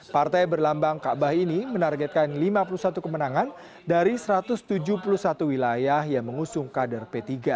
partai berlambang kaabah ini menargetkan lima puluh satu kemenangan dari satu ratus tujuh puluh satu wilayah yang mengusung kader p tiga